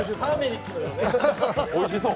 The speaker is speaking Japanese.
おいしそう。